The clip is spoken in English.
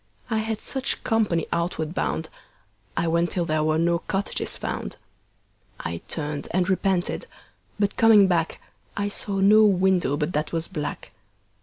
I had such company outward bound. I went till there were no cottages found. I turned and repented, but coming back I saw no window but that was black.